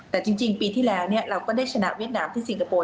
แต่จริงปีที่แล้วเราก็ได้ชนะเวียดนามที่สิงคโปร์